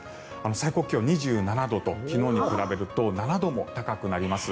最高気温２７度と昨日に比べると７度も高くなります。